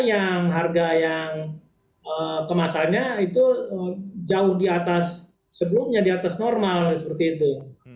yang harga yang kemasannya itu jauh di atas sebelumnya di atas normal seperti itu